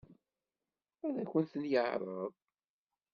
Ad akent-ten-yeɛṛeḍ?